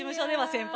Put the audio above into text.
先輩。